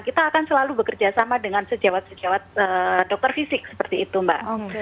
kita akan selalu bekerja sama dengan sejawat sejawat dokter fisik seperti itu mbak